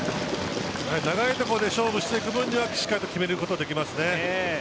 長いところで勝負していく分にはしっかりと決めることができますね。